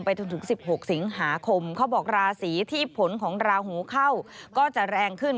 จนถึง๑๖สิงหาคมเขาบอกราศีที่ผลของราหูเข้าก็จะแรงขึ้น